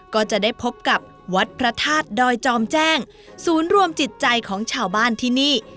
ก็จะได้พบกับวัดพระธาตุดอยจอมแจ้งศูนย์รวมจิตใจของชาวบ้านที่นี่